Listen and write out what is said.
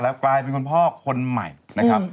กลายเป็นคุณพ่อคนใหม่นะครับ